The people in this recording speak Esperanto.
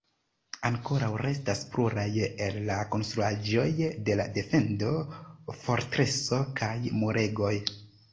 Ankoraŭ restas pluraj el la konstruaĵoj de defendo: fortreso kaj muregoj.